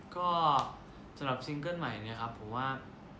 ก็สำหรับซิงเกิ้ลใหม่เนี่ยครับผมว่า